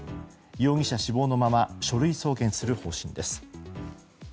容疑者死亡のまま書類送検する方針です。